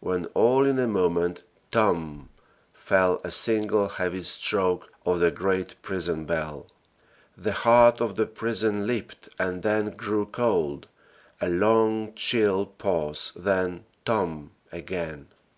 when all in a moment "TOMB!" fell a single heavy stroke of the great prison bell. The heart of the prison leaped, and then grew cold a long chill pause, then "TOMB!" again.